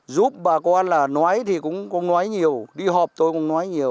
giúp bà con là nói thì cũng có nói nhiều đi họp tôi cũng nói nhiều